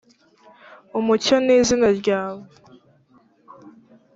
umucyo ni izina ryawe;